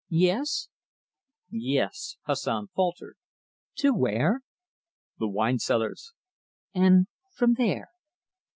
Yes?" "Yes!" Hassan faltered. "To where?" "The wine cellars." "And from there?"